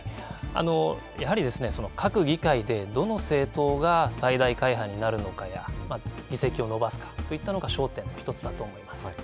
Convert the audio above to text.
やはりその各議会でどの政党が最大会派になるのかや議席を伸ばすかといったのが焦点の１つだと思います。